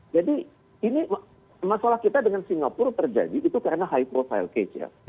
jadi masalah kita dengan singapura terjadi karena high profile case ya